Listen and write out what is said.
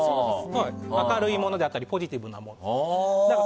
明るいものだったりポジティブなもののほうが。